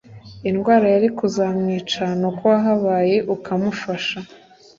indwara yari kuzamwica nuko wahabaye ukamufasha